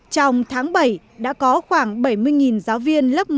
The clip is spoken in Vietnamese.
trong tháng bảy đã có khoảng bảy mươi giáo viên lớp một